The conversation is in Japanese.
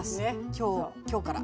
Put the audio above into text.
今日今日から。